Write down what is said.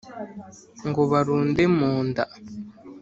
Ngo barunde mu nda